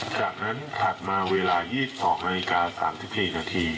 จากนั้นถัดมาเวลา๒๒นาฬิกา๓๔นาที